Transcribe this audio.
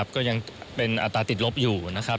ก็ยังเป็นอัตราติดลบอยู่นะครับ